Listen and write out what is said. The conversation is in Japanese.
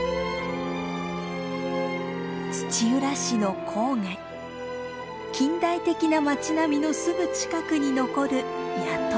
土浦市の郊外近代的な街並みのすぐ近くに残る谷戸。